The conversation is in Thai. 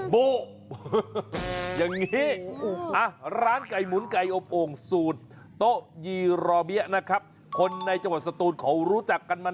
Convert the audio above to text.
โบ้อย่างนี้ร้านไก่หมุนไก่อบโอ่งสูตรโต๊ะยีรอเบี้ยนะครับคนในจังหวัดสตูนเขารู้จักกันมา